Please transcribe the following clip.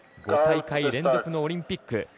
５大会連続のオリンピック。